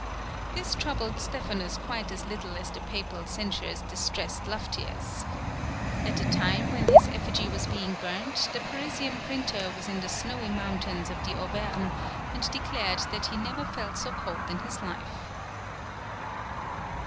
This troubled Stephanus quite as little as the Papal censures distressed Lufftius. At the time when his effigy was being burnt, the Parisian printer was in the snowy mountains of the Auvergne, and declared that he never felt so cold in his life.